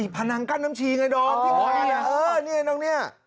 พนังกรรมชีไงน้อง